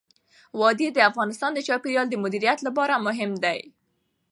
وادي د افغانستان د چاپیریال د مدیریت لپاره مهم دي.